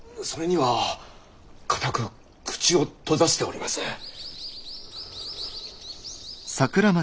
それには固く口を閉ざしております。